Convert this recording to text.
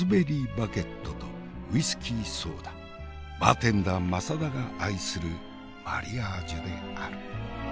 バーテンダー政田が愛するマリアージュである。